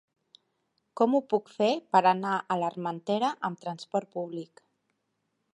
Com ho puc fer per anar a l'Armentera amb trasport públic?